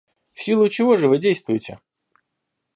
В силу чего же вы действуете?